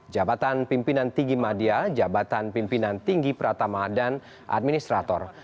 jabatan pimpinan tinggi media jabatan pimpinan tinggi pratama dan administrator